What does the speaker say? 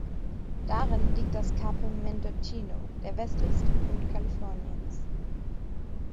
Darin liegt das "Cape Mendocino", der westlichste Punkt Kaliforniens.